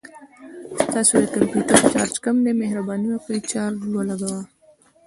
ستاسو د کمپوټر چارج کم دی، مهرباني وکړه چارج ولګوه